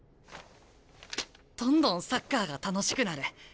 どんどんサッカーが楽しくなる。